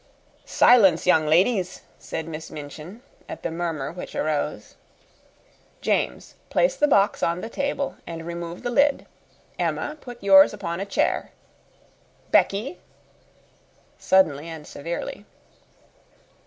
"Silence, young ladies!" said Miss Minchin, at the murmur which arose. "James, place the box on the table and remove the lid. Emma, put yours upon a chair. Becky!" suddenly and severely.